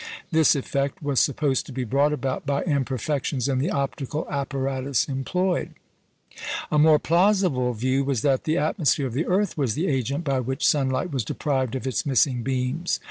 This effect was supposed to be brought about by imperfections in the optical apparatus employed. A more plausible view was that the atmosphere of the earth was the agent by which sunlight was deprived of its missing beams.